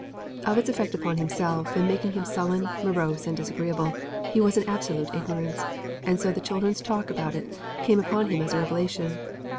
Of its effect upon himself, in making him sullen, morose, and disagreeable, he was in absolute ignorance, and so the children's talk about it came upon him as a revelation.